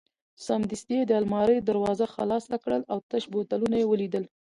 سمدستي یې د المارۍ دروازه خلاصه کړل او تش بوتلونه یې ولیدل.